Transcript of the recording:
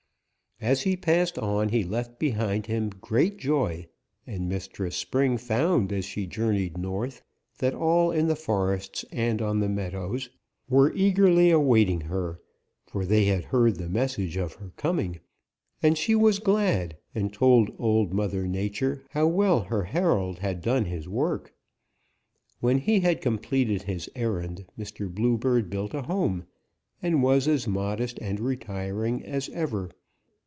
"As he passed on he left behind him great joy, and Mistress Spring found as she journeyed north that all in the forests and on the meadows were eagerly awaiting her, for they had heard the message of her coming; and she was glad and told Old Mother Nature how well her herald had done his work. When he had completed his errand, Mr. Bluebird built a home and was as modest and retiring as ever.